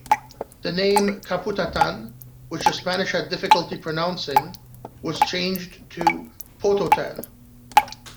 The name "Kaputatan", which the Spanish have difficulty pronouncing, was changed to "Pototan".